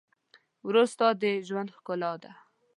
ورور ستا د ژوند ښکلا ده.